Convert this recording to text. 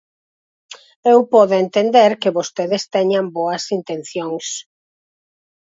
Eu podo entender que vostedes teñan boas intencións.